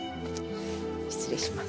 失礼します。